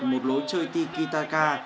một lối chơi tiki taka